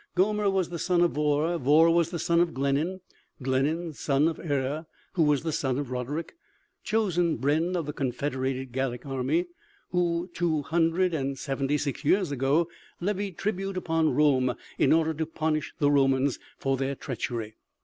Gomer was the son of Vorr ... Vorr was the son of Glenan ... Glenan, son of Erer, who was the son of Roderik, chosen brenn of the confederated Gallic army, who two hundred and seventy six years ago levied tribute upon Rome in order to punish the Romans for their treachery.